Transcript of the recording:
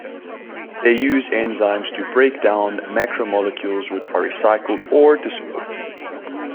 They use enzymes to break down macromolecules, which are recycled or disposed.